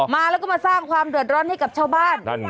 มาแล้วก็มาสร้างความเดือดร้อนให้กับชาวบ้าน